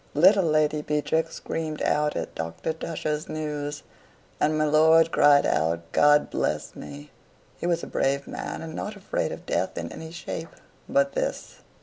Little Lady Beatrix screamed out at Dr. Tusher's news; and my lord cried out, "God bless me!" He was a brave man, and not afraid of death in any shape but this.